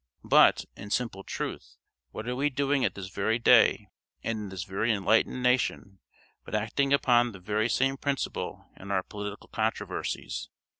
But, in simple truth, what are we doing at this very day, and in this very enlightened nation, but acting upon the very same principle in our political controversies?